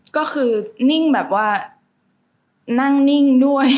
ก็คือนิ่งแบบว่านั่งนิ่งด้วย